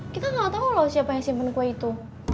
kita gak tau loh siapa yang simpen kue itu